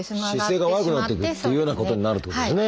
姿勢が悪くなってくるというようなことになるってことですね。